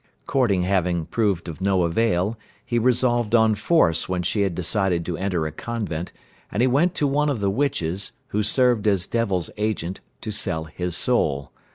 Courting having proved of no avail, he resolved on force when she had decided to enter a convent, and he went to one of the witches, who served as devil's agent, to sell his soul.